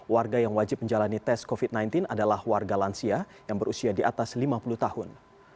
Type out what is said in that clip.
warga yang wajib menjalani tes covid sembilan belas adalah warga lansia yang berusia di atas lima puluh tahun